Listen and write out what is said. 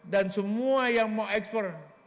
dan semua yang mau ekspor